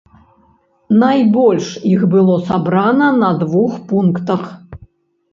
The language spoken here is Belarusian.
Найбольш іх было сабрана на двух пунктах.